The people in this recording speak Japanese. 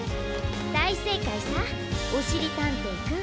だいせいかいさおしりたんていくん。